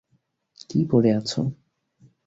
কী পরে আছ?